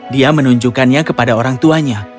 dia menunjukkannya kepadanya